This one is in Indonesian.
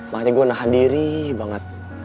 makanya gue nahan diri banget